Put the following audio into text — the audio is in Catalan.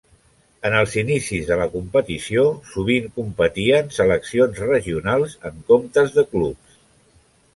En els inicis de la competició sovint competien seleccions regionals, en comptes de clubs.